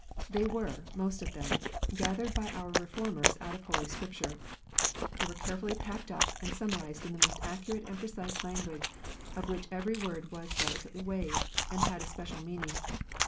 They were, most of them, gathered by our Reformers out of Holy Scripture. They were carefully packed up and summarized in the most accurate and precise language, of which every word was delicately weighed, and had a special meaning.